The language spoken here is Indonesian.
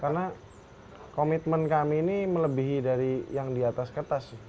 karena komitmen kami ini melebihi dari yang di atas kertas sih